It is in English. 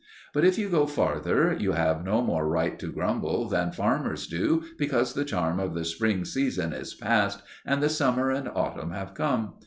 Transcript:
But if you go farther, you have no more right to grumble than farmers do because the charm of the spring season is past and the summer and autumn have come.